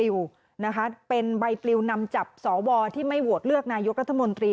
อ๋อก็มันโดนโดนให้มีการจับตากันหัวนายุ่มนะครับ